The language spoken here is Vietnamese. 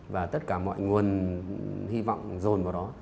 và tất cả mọi nguồn hy vọng dồn vào đó